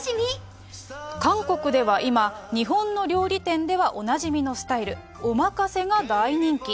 韓国では今、日本の料理店ではおなじみのスタイル、おまかせが大人気。